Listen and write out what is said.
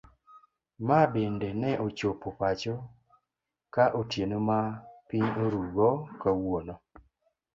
Mabende ne ochopo pacho ka otieno ma piny oruu go kawuono.